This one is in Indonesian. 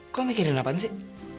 kok mikirin apaan sih